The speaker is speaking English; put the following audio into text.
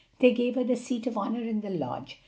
They gave her the seat of honor in the lodge.